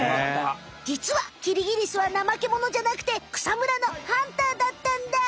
じつはキリギリスはなまけものじゃなくて草むらのハンターだったんだ。